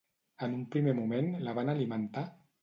En un primer moment, la van alimentar?